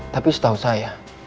tapi setahu saya